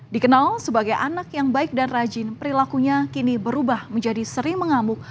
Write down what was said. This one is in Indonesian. dikenal sebagai anak yang baik dan rajin perilakunya kini berubah menjadi sering mengamuk